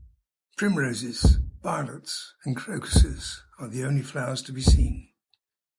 Primroses, violets, and crocuses are the only flowers to be seen.